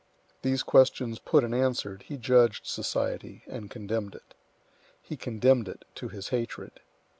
These questions put and answered, he judged society and condemned it. He condemned it to his hatred.